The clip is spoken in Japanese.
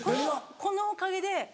このおかげで。